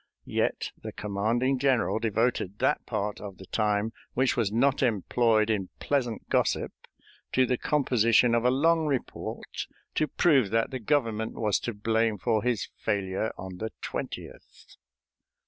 Yet the commanding general devoted that part of the time which was not employed in pleasant gossip to the composition of a long report to prove that the Government was to blame for his failure on the 20th.